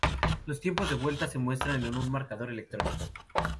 Los tiempos de vuelta se muestran en un marcador electrónico.